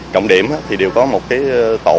trọng điểm thì đều có một tổ